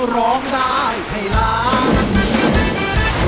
ร้องได้ให้ล้าน